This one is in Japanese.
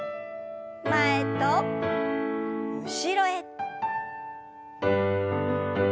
前と後ろへ。